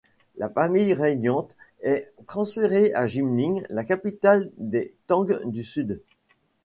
La famille régnante est transférée à Jinling, la capitale des Tang du Sud.